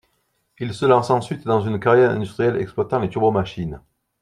Il se lance ensuite dans une carrière industrielle exploitant les turbo-machines.